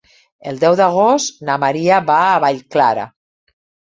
El deu d'agost na Maria va a Vallclara.